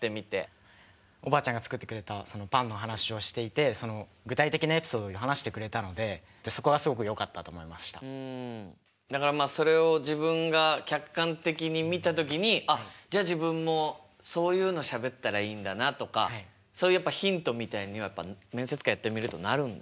おばあちゃんが作ってくれたパンの話をしていてそのだからそれを自分が客観的に見た時に「あっじゃあ自分もそういうのしゃべったらいいんだな」とかそういうヒントみたいにはやっぱ面接官やってみるとなるんだね。